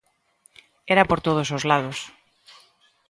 Era por todos os lados.